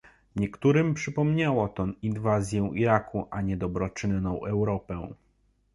Niektórym przypominało to inwazję Iraku, a nie dobroczynną Europę